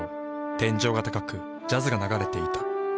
天井が高くジャズが流れていた。